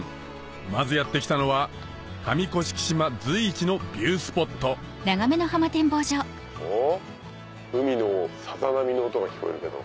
まずやって来たのは上甑島随一のビュースポットおっ海のさざ波の音が聞こえるけど。